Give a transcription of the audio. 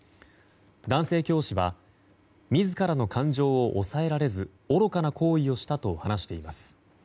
男性教師は自らの感情を抑えられず愚かな行為をしたと話しています。